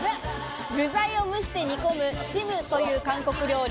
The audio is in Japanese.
具材を蒸して煮込むチムという韓国料理。